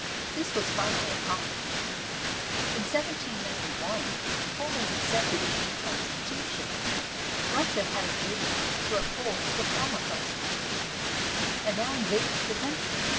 This was finally accomplished. In 1791, Poland accepted a new constitution. Russia had agreed to uphold the former constitution, and now invaded the country.